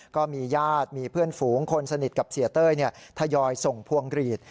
ก็มีญาติมีเพื่อนฝูงคนสนิทกับเสียเต้ยทยอยส่งพวงกรีด